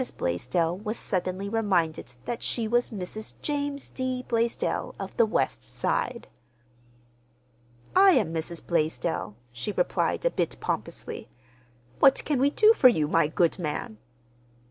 Blaisdell was suddenly reminded that she was Mrs. James D. Blaisdell of the West Side. "I am Mrs. Blaisdell," she replied a bit pompously. "What can we do for you, my good man?"